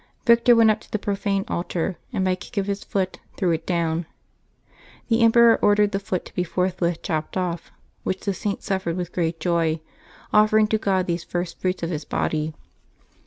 Victor went up to the profane altar, and by a kick of his foot threw it down. The emperor ordered the foot to be forthwith chopped off, which the Saint suffered with great joy, offering to God these first fruits of his body.